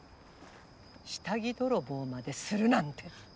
下着泥棒までするなんて！